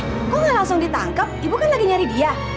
kok nggak langsung ditangkap ibu kan lagi nyari dia